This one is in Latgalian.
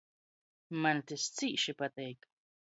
Maņ tys cīši pateik!